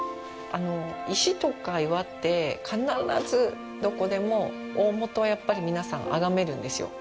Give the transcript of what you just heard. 石とか岩って、必ずどこでも大もとはやっぱり、皆さん、崇めるんですよ。